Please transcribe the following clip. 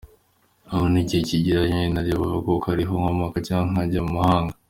Ubu njye iyo igihe kingeranye njya Rubavu kuko ari ho nkomoka cyangwa nkajya Muhanga.